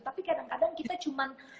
tapi kadang kadang kita cuman